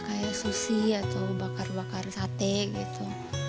kayak sushi atau bakar bakar sate gitu